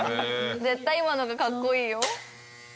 絶対今のが格好いいよ。